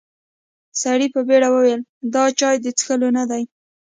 سړي په بيړه وويل: دا چای د څښلو نه دی.